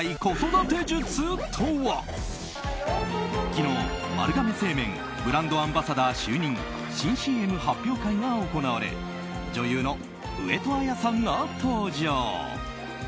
昨日、丸亀製麺ブランドアンバサダー就任・新ＣＭ発表会が行われ女優の上戸彩さんが登場。